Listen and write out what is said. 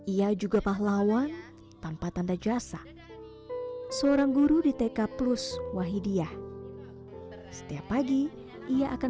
ia juga pahlawan tanpa tanda jasa seorang guru di tk plus wahidiyah setiap pagi ia akan